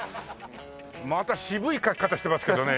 また渋い書き方してますけどね。